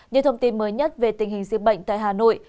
những thông tin mới nhất về tình hình dịch bệnh tại hà nội